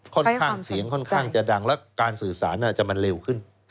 ค่อนข้างเสียงค่อนข้างจะดังแล้วการสื่อสารอาจจะมันเร็วขึ้น